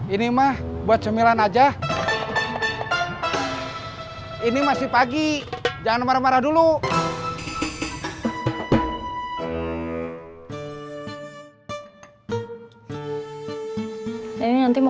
udah tanya tanya harga sama gimana kreditnya